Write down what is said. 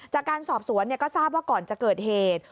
จากการสอบสวนก็ทราบว่าก่อนจะเกิดเหตุ